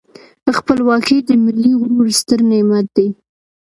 خپلواکي د ملي غرور ستر نعمت دی.